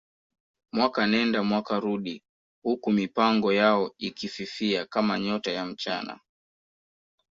Mwaka nenda mwaka rudi huku mipango yao ikififia kama nyota ya mchana